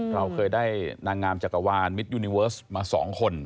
เราเคยได้นางงามจักรวาลมิตรยูนิเวิร์สมา๒คน